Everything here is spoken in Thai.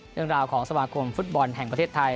เรื่องราวของสมาคมฟุตบอลแห่งประเทศไทย